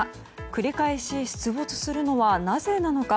繰り返し、出没するのはなぜなのか。